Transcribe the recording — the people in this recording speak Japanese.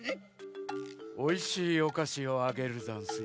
おいしいおかしをあげるざんすよ。